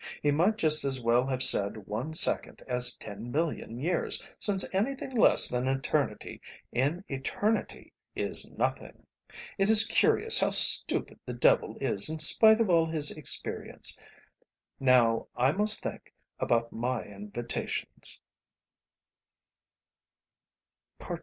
He might just as well have said one second as ten million years, since anything less than eternity in eternity is nothing. It is curious how stupid the devil is in spite of all his experience. Now I must think about my invitations."